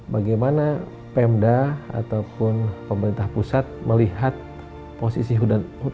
bagaimana pemda ataupun pemerintah pusat melihat posisi hutan adat dalam landscape management